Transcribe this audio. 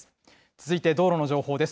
続いて道路の情報です。